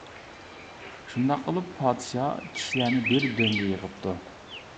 شۇنداق قىلىپ پادىشاھ كىشىلەرنى بىر دۆڭگە يىغىپتۇ.